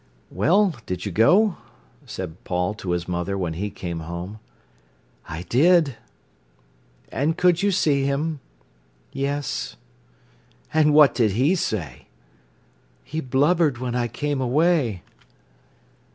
"Well, did you go?" said Paul to his mother when he came home. "I did." "And could you see him?" "Yes." "And what did he say?" "He blubbered when I came away."